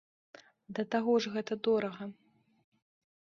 Да таго ж гэта дорага.